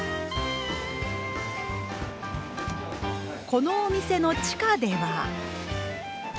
このお店の地下では。